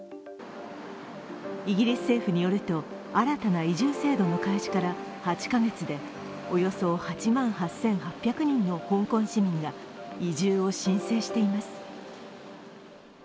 イギリス政府によると、新たな移住制度の開始から８カ月でおよそ８万８８００人の香港市民が移住を申請しています。